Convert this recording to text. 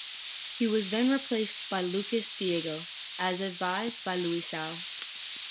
He was then replaced by Lucas Diego, as advised by Luisao.